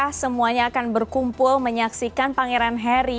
apakah semuanya akan berkumpul menyaksikan pangeran harry